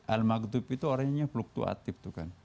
al maghdub itu orang yang nyefluktuatif